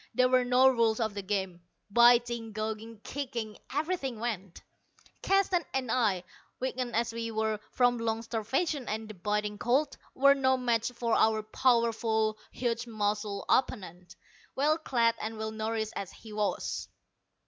There were no rules of the game. Biting, gouging, kicking everything went. Keston and I, weakened as we were from long starvation and the biting cold, were no match for our powerful, huge muscled opponent, well clad and well nourished as he was.